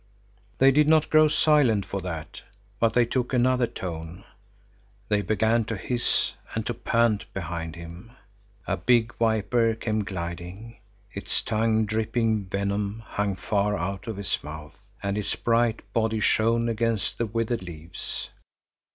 They did not grow silent for that, but they took another tone. They began to hiss and to pant behind him. A big viper came gliding. Its tongue dripping venom hung far out of its mouth, and its bright body shone against the withered leaves.